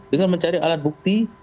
dengan mencari alat bukti